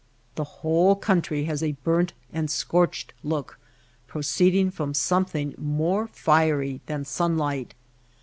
The whole country has a burnt and scorched look proceeding from something more fiery than sunlight.